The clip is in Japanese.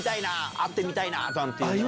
会ってみたい！なんていうのは。